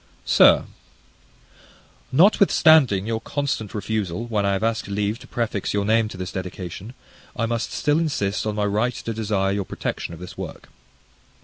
Sir, Notwithstanding your constant refusal, when I have asked leave to prefix your name to this dedication, I must still insist on my right to desire your protection of this work.